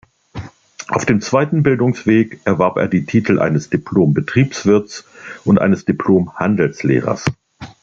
Auf dem zweiten Bildungsweg erwarb er die Titel eines Diplom-Betriebswirtes und eines Diplom-Handelslehrers.